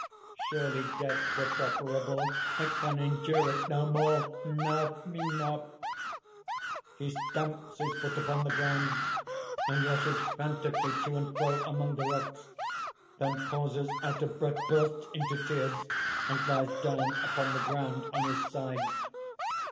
Surely death were preferable! I can endure it no more! Enough! enough!" (_He stamps his foot upon the ground, and rushes frantically to and fro among the rocks; then pauses, out of breath, bursts into tears, and lies down upon the ground, on his side.